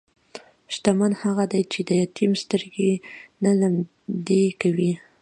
شتمن هغه دی چې د یتیم سترګې نه لمدې کوي.